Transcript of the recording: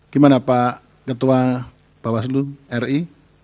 gimana pak ketua bawaslu ri